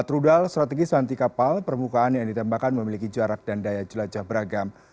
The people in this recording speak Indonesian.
empat rudal strategis anti kapal permukaan yang ditembakkan memiliki jarak dan daya jelajah beragam